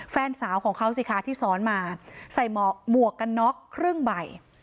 แฟนสาวของเขาสิคะที่ซ้อนมาใส่หมวกกันน็อกครึ่งใบ